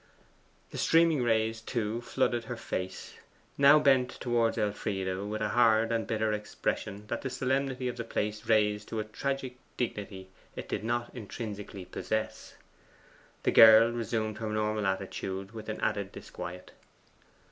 The streaming rays, too, flooded her face, now bent towards Elfride with a hard and bitter expression that the solemnity of the place raised to a tragic dignity it did not intrinsically possess. The girl resumed her normal attitude with an added disquiet.